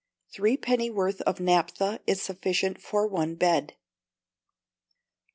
Three pennyworth of naphtha is sufficient for one bed. 2477.